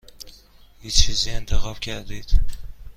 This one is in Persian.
هیچ چیزی انتخاب کردید؟